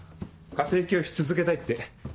家庭教師続けたいって。